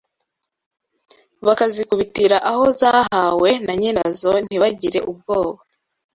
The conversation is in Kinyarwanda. Bakazikubitira aho zahawe na nyirazo ntibagire ubwoba